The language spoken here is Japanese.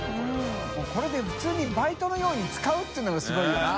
發これで普通にバイトのように使うっていうのがすごいよな。